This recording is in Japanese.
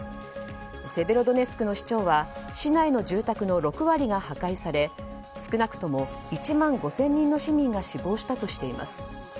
セベロドネツクの市長は市内の住宅の６割が破壊され、少なくとも１万５０００人の市民が死亡したとしています。